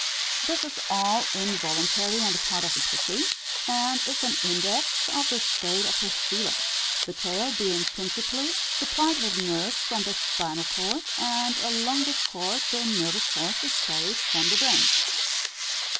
This is all involuntary on the part of pussy, and is an index of the state of her feelings, the tail being principally supplied with nerves from the spinal chord, and along this chord the nervous force is carried from the brain.